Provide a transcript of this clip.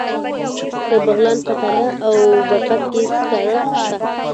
د بغلان په تاله او برفک کې سکاره شته.